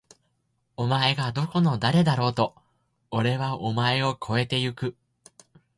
お前がどこの誰だろうと！！おれはお前を超えて行く！！